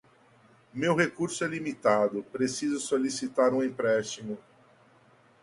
Meu recurso é limitado, preciso solicitar um empréstimo